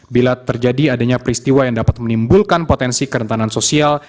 bila terjadi adanya peristiwa yang dapat menimbulkan potensi kerentanan sosial